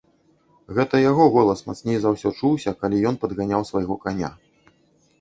Гэта яго голас мацней за ўсё чуўся, калі ён падганяў свайго каня.